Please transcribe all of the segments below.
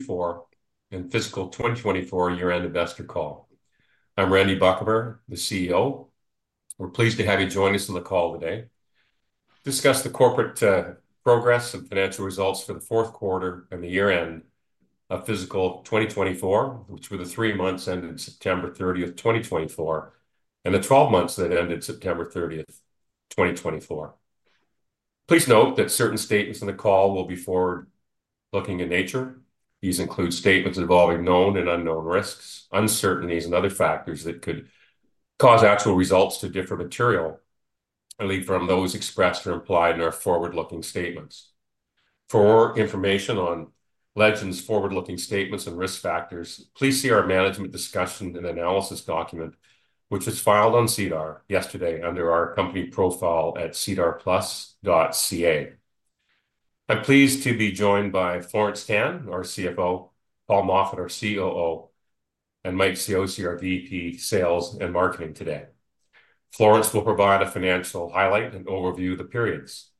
2024 and Fiscal 2024 Year-End Investor Call. I'm Randy Buchamer, the CEO. We're pleased to have you join us on the call today to discuss the corporate progress and financial results for the fourth quarter and the year-end of Fiscal 2024, which were the three months ended September 30th, 2024, and the 12 months that ended September 30th, 2024. Please note that certain statements in the call will be forward-looking in nature. These include statements involving known and unknown risks, uncertainties, and other factors that could cause actual results to differ materially from those expressed or implied in our forward-looking statements. For more information on Legend's forward-looking statements and risk factors, please see our Management Discussion and Analysis document, which was filed on SEDAR+ yesterday under our company profile at sedarplus.ca. I'm pleased to be joined by Florence Tan, our CFO, Paul Moffat, our COO, and Mike Cioce, our VP, Sales and Marketing, today. Florence will provide a financial highlight and overview of the periods.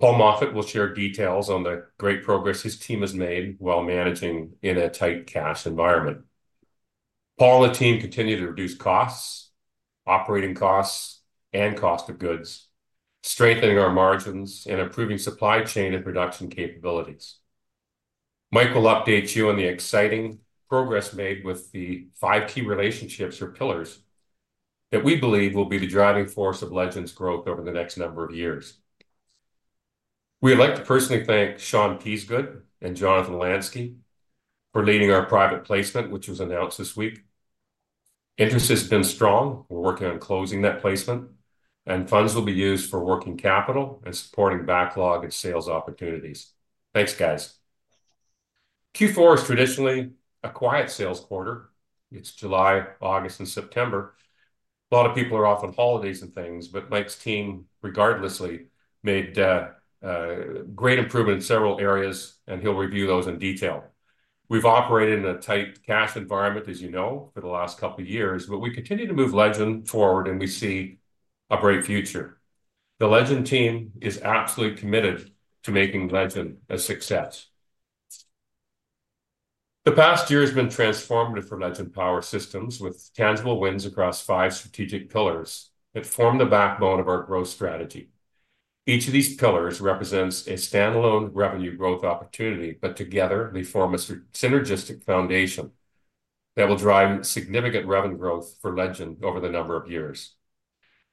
Paul Moffat will share details on the great progress his team has made while managing in a tight cash environment. Paul and the team continue to reduce costs, operating costs, and cost of goods, strengthening our margins and improving supply chain and production capabilities. Mike will update you on the exciting progress made with the five key relationships or pillars that we believe will be the driving force of Legend's growth over the next number of years. We'd like to personally thank Sean Peasgood and Jonathan Lansky for leading our private placement, which was announced this week. Interest has been strong. We're working on closing that placement, and funds will be used for working capital and supporting backlog and sales opportunities. Thanks, guys. Q4 is traditionally a quiet sales quarter. It's July, August, and September. A lot of people are off on holidays and things, but Mike's team, regardless, made great improvement in several areas, and he'll review those in detail. We've operated in a tight cash environment, as you know, for the last couple of years, but we continue to move Legend forward, and we see a bright future. The Legend team is absolutely committed to making Legend a success. The past year has been transformative for Legend Power Systems, with tangible wins across five strategic pillars that form the backbone of our growth strategy. Each of these pillars represents a standalone revenue growth opportunity, but together, they form a synergistic foundation that will drive significant revenue growth for Legend over the number of years.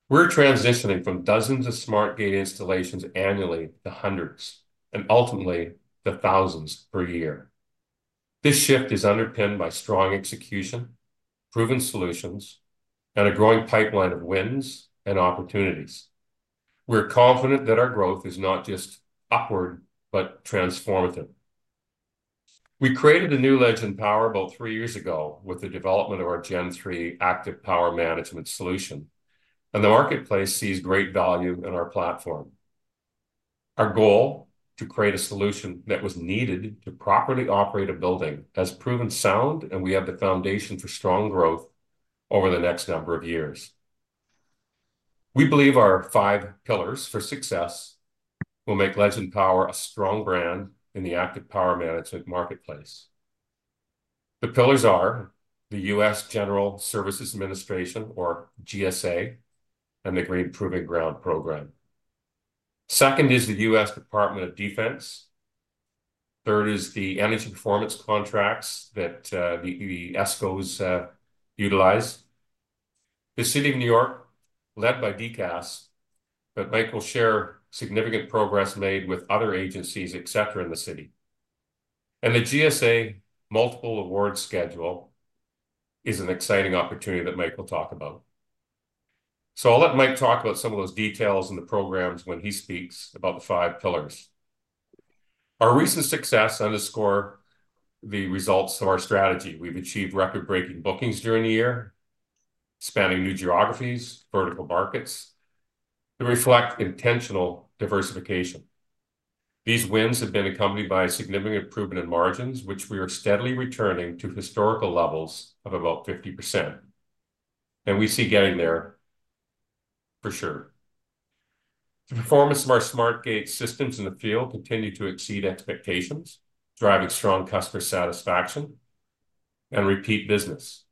We're transitioning from dozens of SmartGATE installations annually to hundreds and ultimately to thousands per year. This shift is underpinned by strong execution, proven solutions, and a growing pipeline of wins and opportunities. We're confident that our growth is not just upward, but transformative. We created a new Legend Power about three years ago with the development of our Gen3 Active Power Management solution, and the marketplace sees great value in our platform. Our goal to create a solution that was needed to properly operate a building has proven sound, and we have the foundation for strong growth over the next number of years. We believe our five pillars for success will make Legend Power a strong brand in the Active Power Management marketplace. The pillars are the U.S. General Services Administration, or GSA, and the Green Proving Ground program. Second is the U.S. Department of Defense. Third is the energy performance contracts that the ESCOs utilize. The City of New York, led by DCAS, but Mike will share significant progress made with other agencies, etc., in the city. And the GSA Multiple Award Schedule is an exciting opportunity that Mike will talk about. So I'll let Mike talk about some of those details and the programs when he speaks about the five pillars. Our recent success underscores the results of our strategy. We've achieved record-breaking bookings during the year, spanning new geographies, vertical markets that reflect intentional diversification. These wins have been accompanied by significant improvement in margins, which we are steadily returning to historical levels of about 50%. And we see getting there, for sure. The performance of our SmartGATE systems in the field continues to exceed expectations, driving strong customer satisfaction and repeat business.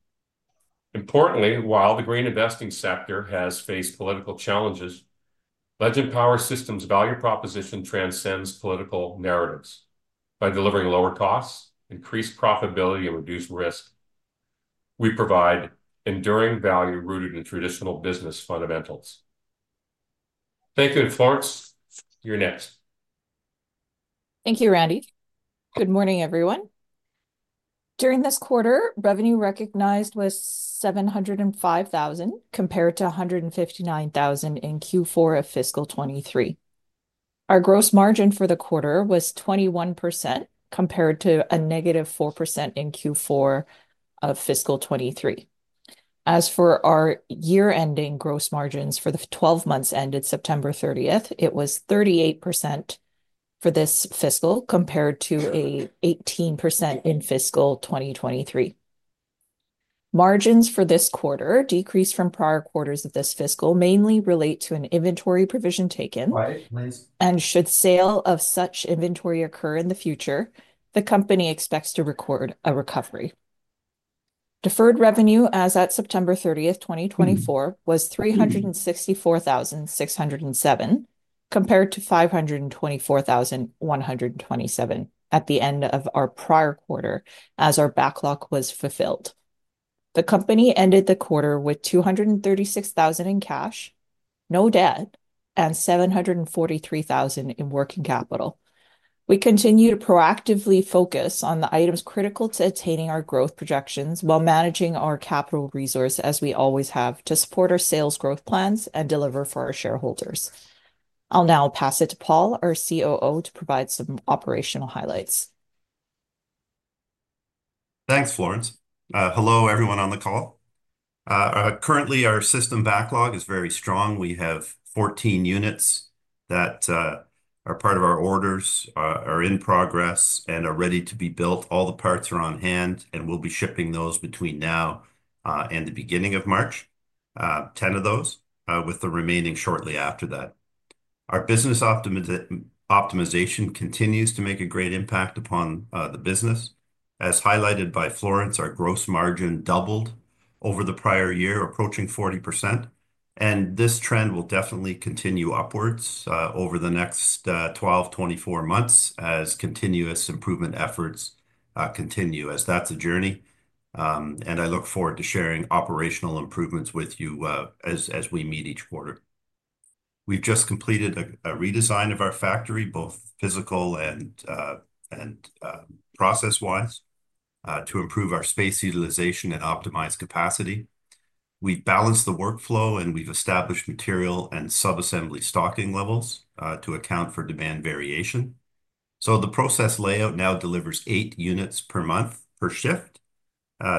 Importantly, while the green investing sector has faced political challenges, Legend Power Systems' value proposition transcends political narratives. By delivering lower costs, increased profitability, and reduced risk, we provide enduring value rooted in traditional business fundamentals. Thank you, and Florence, you're next. Thank you, Randy. Good morning, everyone. During this quarter, revenue recognized was 705,000 compared to 159,000 in Q4 of Fiscal 23. Our gross margin for the quarter was 21% compared to a negative 4% in Q4 of Fiscal 23. As for our year-ending gross margins for the 12 months ended September 30, it was 38% for this fiscal compared to a 18% in Fiscal 2023. Margins for this quarter decreased from prior quarters of this fiscal mainly relate to an inventory provision taken, and should sale of such inventory occur in the future, the company expects to record a recovery. Deferred revenue, as at September 30, 2024, was 364,607 compared to 524,127 at the end of our prior quarter as our backlog was fulfilled. The company ended the quarter with 236,000 in cash, no debt, and 743,000 in working capital. We continue to proactively focus on the items critical to attaining our growth projections while managing our capital resource, as we always have, to support our sales growth plans and deliver for our shareholders. I'll now pass it to Paul, our COO, to provide some operational highlights. Thanks, Florence. Hello, everyone on the call. Currently, our system backlog is very strong. We have 14 units that are part of our orders, are in progress, and are ready to be built. All the parts are on hand, and we'll be shipping those between now and the beginning of March, 10 of those, with the remaining shortly after that. Our business optimization continues to make a great impact upon the business. As highlighted by Florence, our gross margin doubled over the prior year, approaching 40%, and this trend will definitely continue upwards over the next 12-24 months as continuous improvement efforts continue, as that's a journey, and I look forward to sharing operational improvements with you as we meet each quarter. We've just completed a redesign of our factory, both physical and process-wise, to improve our space utilization and optimize capacity. We've balanced the workflow, and we've established material and sub-assembly stocking levels to account for demand variation so the process layout now delivers eight units per month per shift,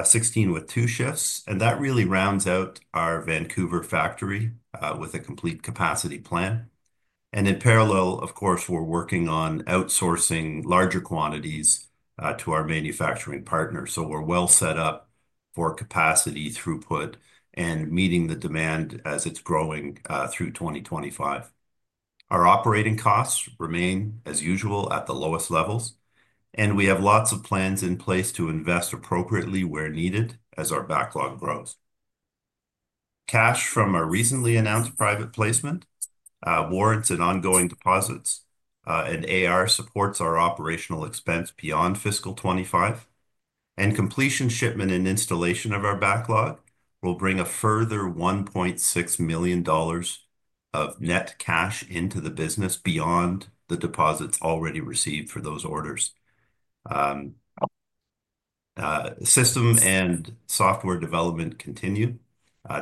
16 with two shifts and that really rounds out our Vancouver factory with a complete capacity plan and in parallel, of course, we're working on outsourcing larger quantities to our manufacturing partners so we're well set up for capacity throughput and meeting the demand as it's growing through 2025. Our operating costs remain, as usual, at the lowest levels and we have lots of plans in place to invest appropriately where needed as our backlog grows. Cash from a recently announced private placement warrants ongoing deposits, and AR supports our operational expense beyond Fiscal 2025. And completion, shipment, and installation of our backlog will bring a further $1.6 million of net cash into the business beyond the deposits already received for those orders. System and software development continue.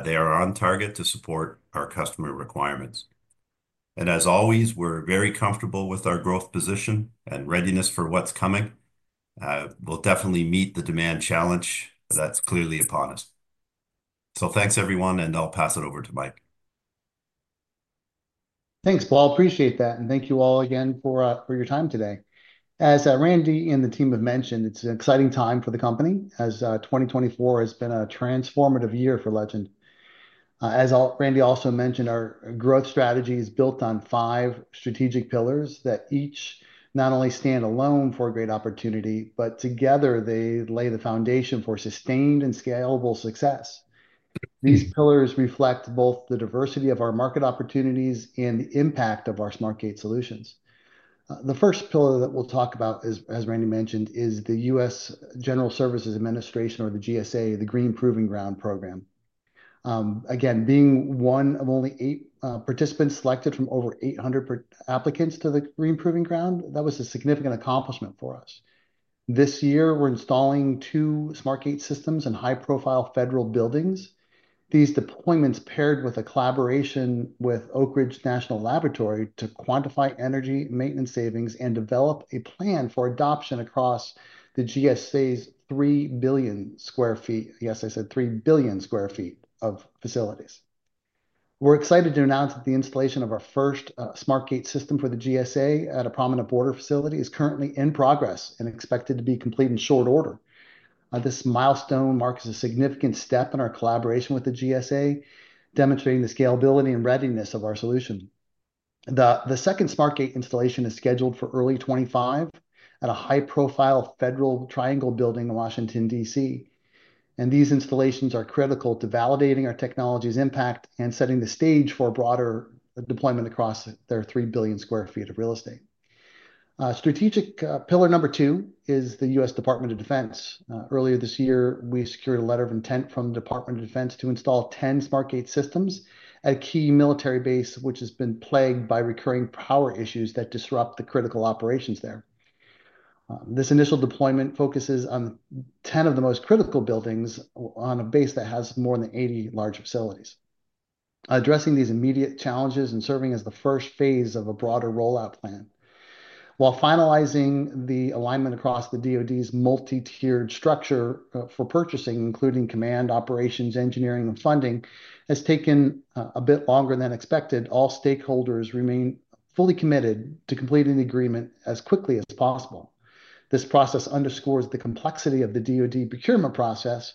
They are on target to support our customer requirements. And as always, we're very comfortable with our growth position and readiness for what's coming. We'll definitely meet the demand challenge that's clearly upon us. So thanks, everyone, and I'll pass it over to Mike. Thanks, Paul. Appreciate that. And thank you all again for your time today. As Randy and the team have mentioned, it's an exciting time for the company as 2024 has been a transformative year for Legend. As Randy also mentioned, our growth strategy is built on five strategic pillars that each not only stand alone for a great opportunity, but together they lay the foundation for sustained and scalable success. These pillars reflect both the diversity of our market opportunities and the impact of our SmartGATE solutions. The first pillar that we'll talk about, as Randy mentioned, is the U.S. General Services Administration, or the GSA, the Green Proving Ground program. Again, being one of only eight participants selected from over 800 applicants to the Green Proving Ground, that was a significant accomplishment for us. This year, we're installing two SmartGATE systems in high-profile federal buildings. These deployments paired with a collaboration with Oak Ridge National Laboratory to quantify energy maintenance savings and develop a plan for adoption across the GSA's 3 billion sq ft (yes, I said 3 billion sq ft) of facilities. We're excited to announce that the installation of our first SmartGATE system for the GSA at a prominent border facility is currently in progress and expected to be complete in short order. This milestone marks a significant step in our collaboration with the GSA, demonstrating the scalability and readiness of our solution. The second SmartGATE installation is scheduled for early 2025 at a high-profile Federal Triangle building in Washington, D.C. And these installations are critical to validating our technology's impact and setting the stage for broader deployment across their 3 billion sq ft of real estate. Strategic pillar number two is the U.S. Department of Defense. Earlier this year, we secured a letter of intent from the U.S. Department of Defense to install 10 SmartGATE systems at a key military base, which has been plagued by recurring power issues that disrupt the critical operations there. This initial deployment focuses on 10 of the most critical buildings on a base that has more than 80 large facilities, addressing these immediate challenges and serving as the first phase of a broader rollout plan. While finalizing the alignment across the DoD's multi-tiered structure for purchasing, including command, operations, engineering, and funding, has taken a bit longer than expected, all stakeholders remain fully committed to completing the agreement as quickly as possible. This process underscores the complexity of the DoD procurement process,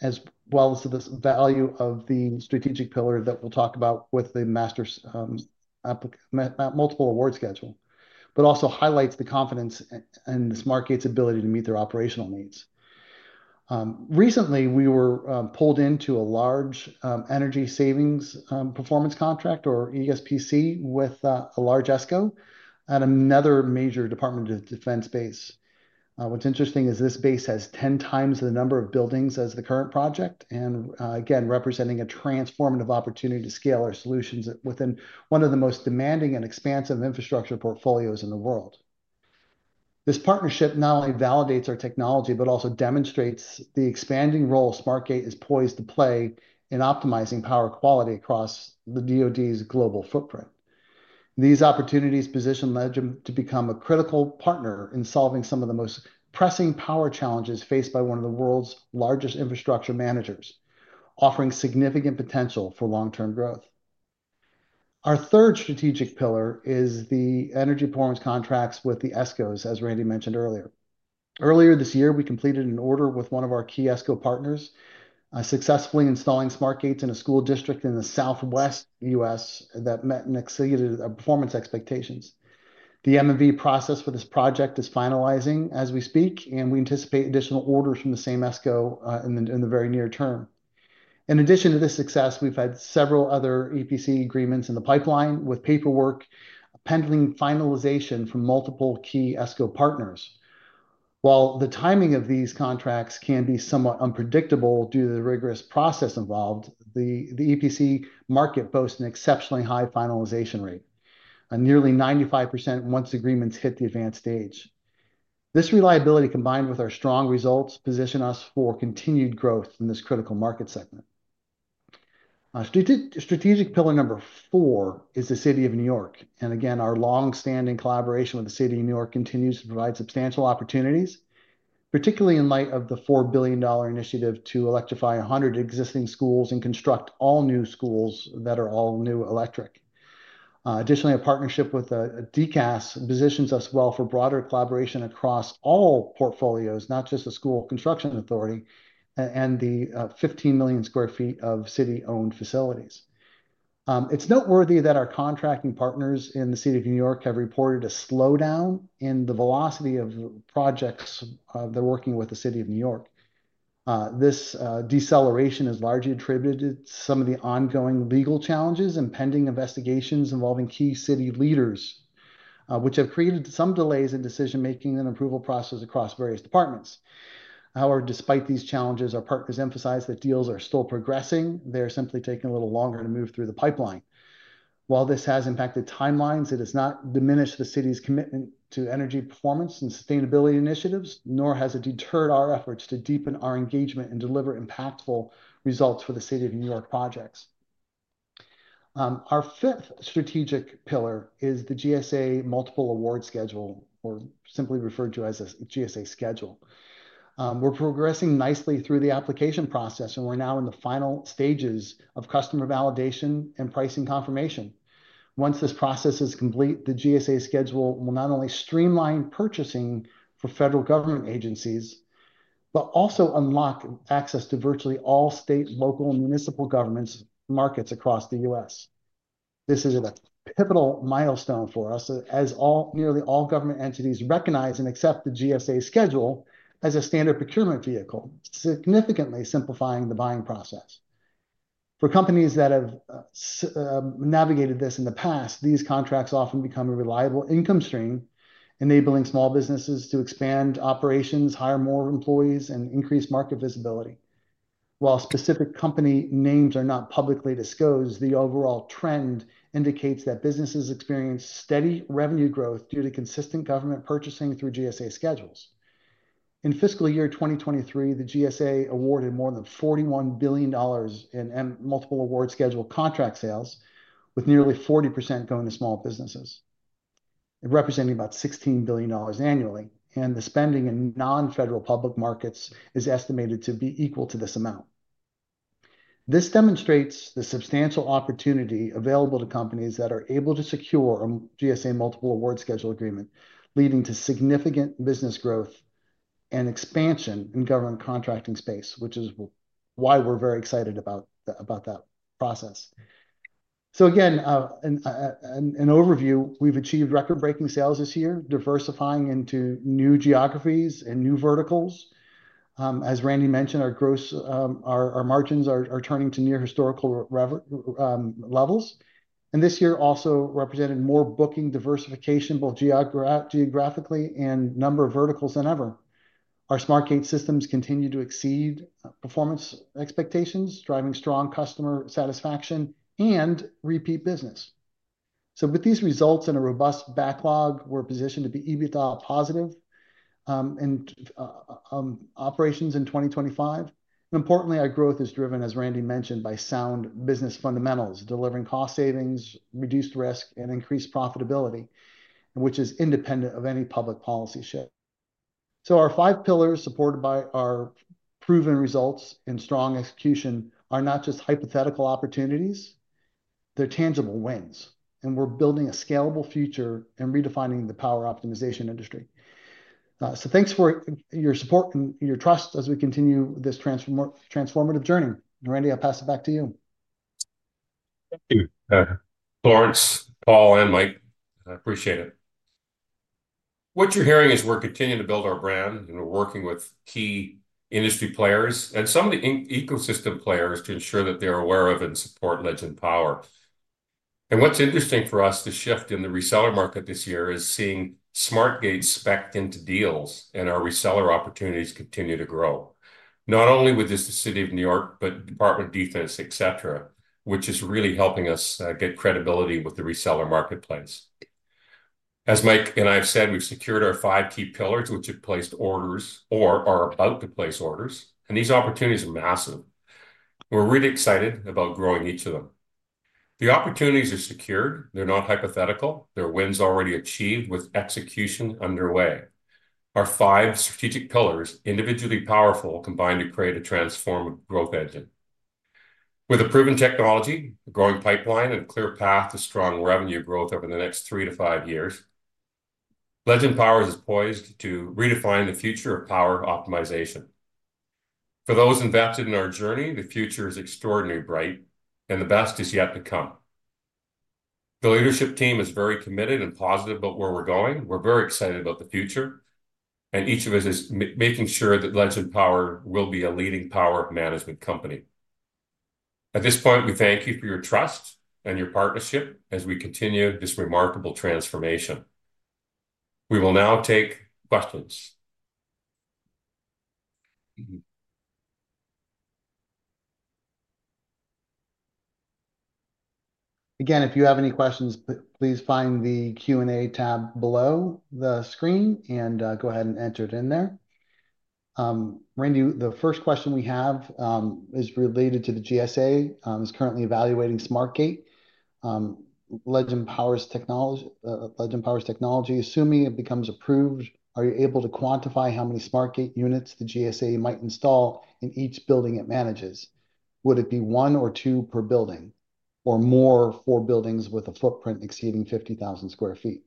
as well as the value of the strategic pillar that we'll talk about with the Multiple Award Schedule, but also highlights the confidence in the SmartGATE's ability to meet their operational needs. Recently, we were pulled into a large Energy Savings Performance Contract, or ESPC, with a large ESCO at another major Department of Defense base. What's interesting is this base has 10 times the number of buildings as the current project, and again, representing a transformative opportunity to scale our solutions within one of the most demanding and expansive infrastructure portfolios in the world. This partnership not only validates our technology, but also demonstrates the expanding role SmartGATE has poised to play in optimizing power quality across the DoD's global footprint. These opportunities position Legend to become a critical partner in solving some of the most pressing power challenges faced by one of the world's largest infrastructure managers, offering significant potential for long-term growth. Our third strategic pillar is the energy performance contracts with the ESCOs, as Randy mentioned earlier. Earlier this year, we completed an order with one of our key ESCO partners, successfully installing SmartGATEs in a school district in the Southwest U.S. that met and exceeded our performance expectations. The M&V process for this project is finalizing as we speak, and we anticipate additional orders from the same ESCO in the very near term. In addition to this success, we've had several other EPC agreements in the pipeline with paperwork pending finalization from multiple key ESCO partners. While the timing of these contracts can be somewhat unpredictable due to the rigorous process involved, the EPC market boasts an exceptionally high finalization rate, nearly 95% once agreements hit the advanced stage. This reliability, combined with our strong results, positions us for continued growth in this critical market segment. Strategic pillar number four is the City of New York, and again, our long-standing collaboration with the City of New York continues to provide substantial opportunities, particularly in light of the $4 billion initiative to electrify 100 existing schools and construct all new schools that are all new electric. Additionally, a partnership with DCAS positions us well for broader collaboration across all portfolios, not just the School Construction Authority and the 15 million sq ft of city-owned facilities. It's noteworthy that our contracting partners in the City of New York have reported a slowdown in the velocity of projects they're working with the City of New York. This deceleration is largely attributed to some of the ongoing legal challenges and pending investigations involving key city leaders, which have created some delays in decision-making and approval processes across various departments. However, despite these challenges, our partners emphasize that deals are still progressing. They're simply taking a little longer to move through the pipeline. While this has impacted timelines, it has not diminished the city's commitment to energy performance and sustainability initiatives, nor has it deterred our efforts to deepen our engagement and deliver impactful results for the City of New York projects. Our fifth strategic pillar is the GSA multiple award schedule, or simply referred to as a GSA schedule. We're progressing nicely through the application process, and we're now in the final stages of customer validation and pricing confirmation. Once this process is complete, the GSA schedule will not only streamline purchasing for federal government agencies, but also unlock access to virtually all state, local, and municipal government markets across the U.S. This is a pivotal milestone for us, as nearly all government entities recognize and accept the GSA schedule as a standard procurement vehicle, significantly simplifying the buying process. For companies that have navigated this in the past, these contracts often become a reliable income stream, enabling small businesses to expand operations, hire more employees, and increase market visibility. While specific company names are not publicly disclosed, the overall trend indicates that businesses experience steady revenue growth due to consistent government purchasing through GSA schedules. In fiscal year 2023, the GSA awarded more than $41 billion in multiple award schedule contract sales, with nearly 40% going to small businesses, representing about $16 billion annually. And the spending in non-federal public markets is estimated to be equal to this amount. This demonstrates the substantial opportunity available to companies that are able to secure a GSA multiple award schedule agreement, leading to significant business growth and expansion in government contracting space, which is why we're very excited about that process. So again, in overview, we've achieved record-breaking sales this year, diversifying into new geographies and new verticals. As Randy mentioned, our margins are turning to near historical levels. And this year also represented more booking diversification, both geographically and number of verticals than ever. Our SmartGATE systems continue to exceed performance expectations, driving strong customer satisfaction and repeat business. With these results and a robust backlog, we're positioned to be EBITDA positive in operations in 2025. Importantly, our growth is driven, as Randy mentioned, by sound business fundamentals, delivering cost savings, reduced risk, and increased profitability, which is independent of any public policy shift. Our five pillars, supported by our proven results and strong execution, are not just hypothetical opportunities. They're tangible wins. We're building a scalable future and redefining the power optimization industry. Thanks for your support and your trust as we continue this transformative journey. Randy, I'll pass it back to you. Thank you, Florence, Paul, and Mike. I appreciate it. What you're hearing is we're continuing to build our brand, and we're working with key industry players and some of the ecosystem players to ensure that they're aware of and support Legend Power, and what's interesting for us, the shift in the reseller market this year is seeing SmartGATE specced into deals, and our reseller opportunities continue to grow, not only with the City of New York, but Department of Defense, etc., which is really helping us get credibility with the reseller marketplace. As Mike and I have said, we've secured our five key pillars, which have placed orders or are about to place orders, and these opportunities are massive. We're really excited about growing each of them. The opportunities are secured. They're not hypothetical. They're wins already achieved with execution underway. Our five strategic pillars, individually powerful, combine to create a transformative growth engine with a proven technology, a growing pipeline, and a clear path to strong revenue growth over the next three to five years. Legend Power is poised to redefine the future of power optimization. For those invested in our journey, the future is extraordinarily bright, and the best is yet to come. The leadership team is very committed and positive about where we're going. We're very excited about the future, and each of us is making sure that Legend Power will be a leading power management company. At this point, we thank you for your trust and your partnership as we continue this remarkable transformation. We will now take questions. Again, if you have any questions, please find the Q&A tab below the screen and go ahead and enter it in there. Randy, the first question we have is related to the GSA that is currently evaluating SmartGATE. Legend Power Systems, assuming it becomes approved, are you able to quantify how many SmartGATE units the GSA might install in each building it manages? Would it be one or two per building, or more for buildings with a footprint exceeding 50,000 sq ft?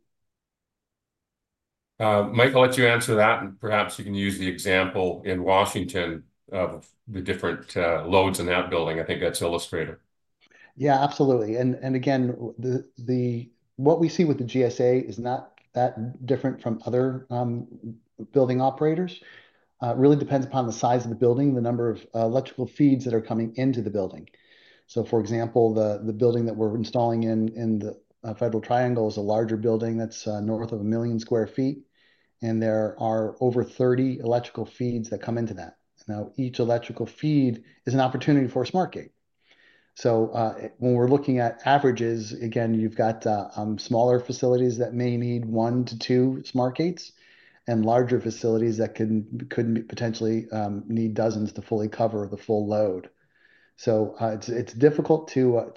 Mike, I'll let you answer that, and perhaps you can use the example in Washington of the different loads in that building. I think that's illustrative. Yeah, absolutely. And again, what we see with the GSA is not that different from other building operators. It really depends upon the size of the building, the number of electrical feeds that are coming into the building. So for example, the building that we're installing in the Federal Triangle is a larger building that's north of 1 million sq ft, and there are over 30 electrical feeds that come into that. Now, each electrical feed is an opportunity for a SmartGATE. So when we're looking at averages, again, you've got smaller facilities that may need one to two SmartGATEs and larger facilities that could potentially need dozens to fully cover the full load. So it's difficult to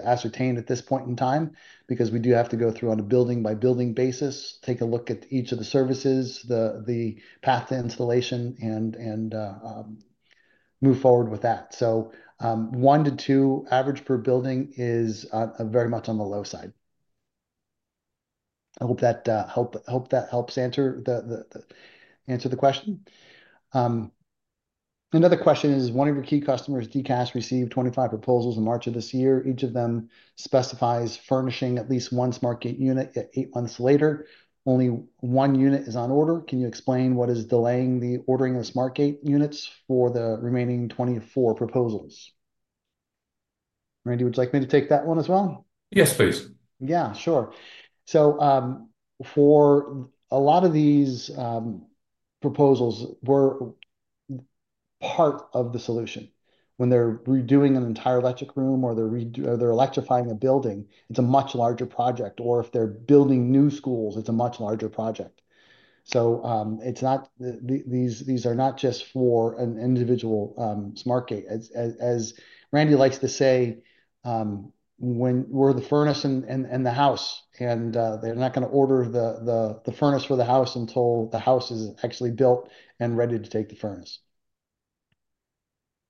ascertain at this point in time because we do have to go through on a building-by-building basis, take a look at each of the services, the path to installation, and move forward with that. So one to two average per building is very much on the low side. I hope that helps answer the question. Another question is, one of your key customers, DCAS, received 25 proposals in March of this year. Each of them specifies furnishing at least one SmartGATE unit eight months later. Only one unit is on order. Can you explain what is delaying the ordering of SmartGATE units for the remaining 24 proposals? Randy, would you like me to take that one as well? Yes, please. Yeah, sure. So for a lot of these proposals, we're part of the solution. When they're redoing an entire electric room or they're electrifying a building, it's a much larger project. Or if they're building new schools, it's a much larger project. So these are not just for an individual SmartGATE. As Randy likes to say, "We're the furnace and the house," and they're not going to order the furnace for the house until the house is actually built and ready to take the furnace.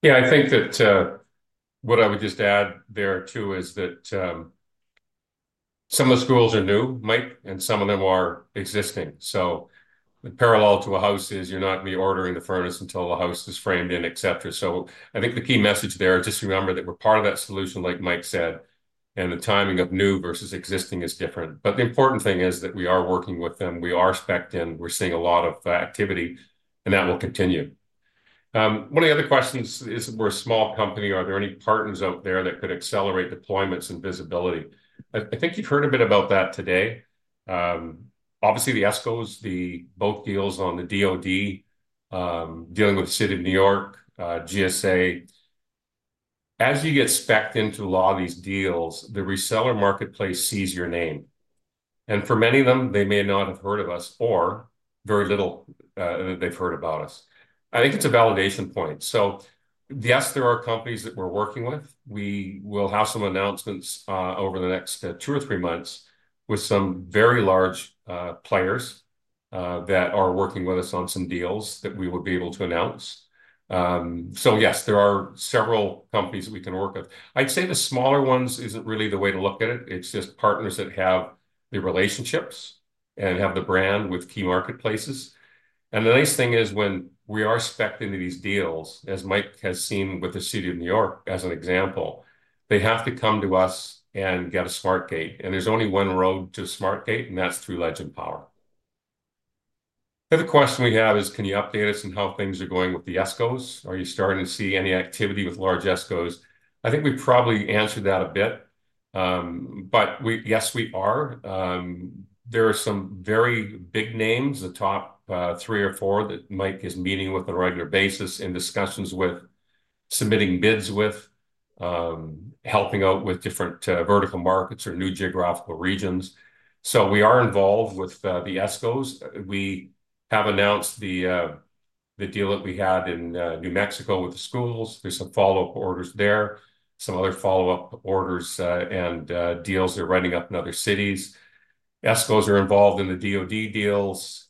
Yeah, I think that what I would just add there too is that some of the schools are new, Mike, and some of them are existing. So parallel to a house is you're not going to be ordering the furnace until the house is framed in, etc. So I think the key message there is just remember that we're part of that solution, like Mike said, and the timing of new versus existing is different. But the important thing is that we are working with them. We are specced in. We're seeing a lot of activity, and that will continue. One of the other questions is, we're a small company. Are there any partners out there that could accelerate deployments and visibility? I think you've heard a bit about that today. Obviously, the ESCOs, both deals on the DoD, dealing with the City of New York, GSA. As you get specced into a lot of these deals, the reseller marketplace sees your name. And for many of them, they may not have heard of us or very little that they've heard about us. I think it's a validation point. So yes, there are companies that we're working with. We will have some announcements over the next two or three months with some very large players that are working with us on some deals that we will be able to announce. So yes, there are several companies that we can work with. I'd say the smaller ones isn't really the way to look at it. It's just partners that have the relationships and have the brand with key marketplaces. The nice thing is when we are specced into these deals, as Mike has seen with the City of New York, as an example, they have to come to us and get a SmartGATE. There's only one road to a SmartGATE, and that's through Legend Power. The other question we have is, can you update us on how things are going with the ESCOs? Are you starting to see any activity with large ESCOs? I think we probably answered that a bit, but yes, we are. There are some very big names, the top three or four that Mike is meeting with on a regular basis and discussions with, submitting bids with, helping out with different vertical markets or new geographical regions. So we are involved with the ESCOs. We have announced the deal that we had in New Mexico with the schools. There's some follow-up orders there, some other follow-up orders and deals they're writing up in other cities. ESCOs are involved in the DoD deals.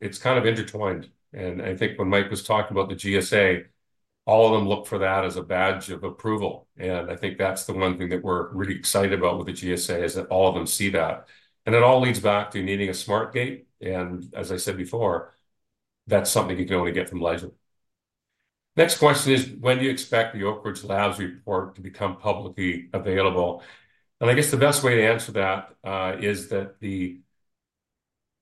It's kind of intertwined. And I think when Mike was talking about the GSA, all of them look for that as a badge of approval. And I think that's the one thing that we're really excited about with the GSA is that all of them see that. And it all leads back to needing a SmartGATE. And as I said before, that's something you can only get from Legend. Next question is, when do you expect the Oak Ridge Labs report to become publicly available? And I guess the best way to answer that is that the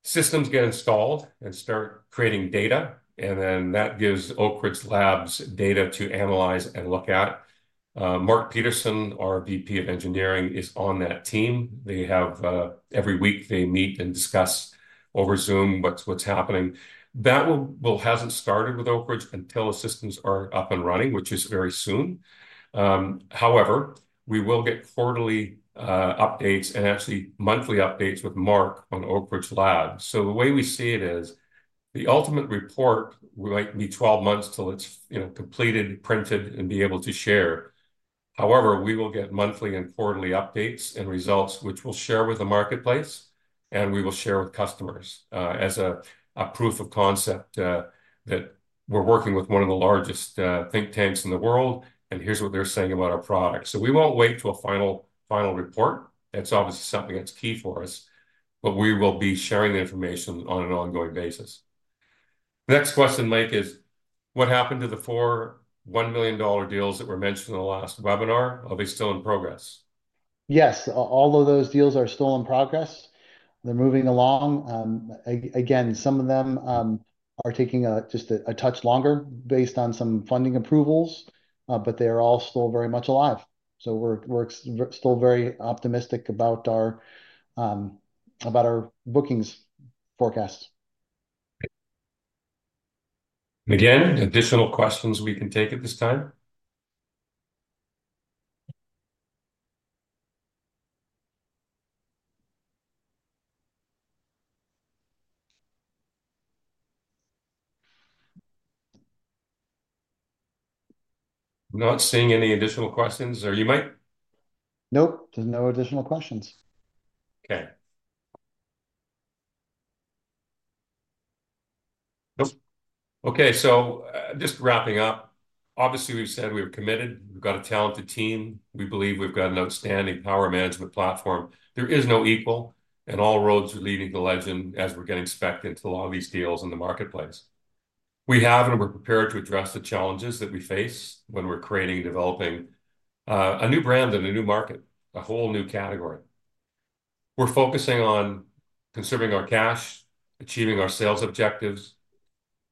systems get installed and start creating data, and then that gives Oak Ridge Labs data to analyze and look at. Mark Peterson, our VP of engineering, is on that team. Every week, they meet and discuss over Zoom what's happening. That hasn't started with Oak Ridge until the systems are up and running, which is very soon. However, we will get quarterly updates and actually monthly updates with Mark on Oak Ridge Labs. So the way we see it is the ultimate report might be 12 months till it's completed, printed, and be able to share. However, we will get monthly and quarterly updates and results, which we'll share with the marketplace, and we will share with customers as a proof of concept that we're working with one of the largest think tanks in the world, and here's what they're saying about our product. So we won't wait till a final report. That's obviously something that's key for us, but we will be sharing the information on an ongoing basis. Next question, Mike, is what happened to the four $1 million deals that were mentioned in the last webinar? Are they still in progress? Yes, all of those deals are still in progress. They're moving along. Again, some of them are taking just a touch longer based on some funding approvals, but they are all still very much alive. So we're still very much optimistic about our bookings forecasts. Again, additional questions we can take at this time? Not seeing any additional questions. Are you, Mike? Nope. There's no additional questions. Okay. So just wrapping up, obviously, we've said we were committed. We've got a talented team. We believe we've got an outstanding power management platform. There is no equal, and all roads are leading to Legend as we're getting specced into a lot of these deals in the marketplace. We have, and we're prepared to address the challenges that we face when we're creating and developing a new brand and a new market, a whole new category. We're focusing on conserving our cash, achieving our sales objectives,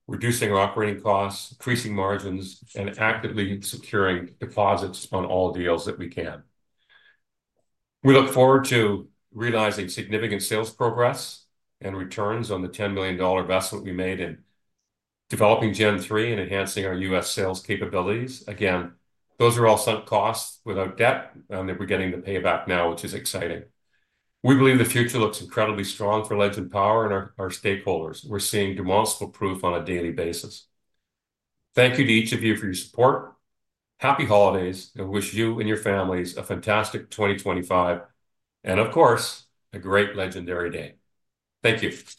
reducing our operating costs, increasing margins, and actively securing deposits on all deals that we can. We look forward to realizing significant sales progress and returns on the $10 million investment we made in developing Gen 3 and enhancing our U.S. sales capabilities. Again, those are all sunk costs without debt, and we're getting the payback now, which is exciting. We believe the future looks incredibly strong for Legend Power and our stakeholders. We're seeing demonstrable proof on a daily basis. Thank you to each of you for your support. Happy holidays, and wish you and your families a fantastic 2025, and of course, a great Legendary Day. Thank you.